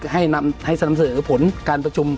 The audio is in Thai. ให้เสนอผลการประชุม